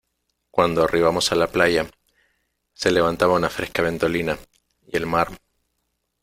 cuando arribamos a la playa, se levantaba una fresca ventolina , y el mar ,